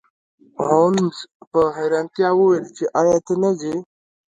هولمز په حیرانتیا وویل چې ایا ته نه ځې